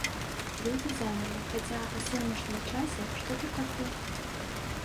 Людзі замерлі, хаця, па сённяшнім часе, што тут такога?